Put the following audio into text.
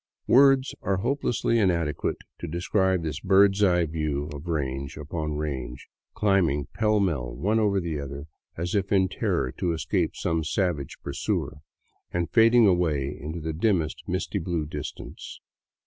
Words are hopelessly inadequate to describe this bird's eye view of range upon range, climbing pell mell one over the other, as if in terror to escape some savage pursuer, and fading away into the dimmest misty blue distance.